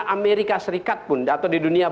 amerika serikat pun atau di dunia